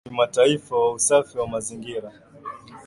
Ni mwaka wa Kimataifa wa Usafi wa Mazingira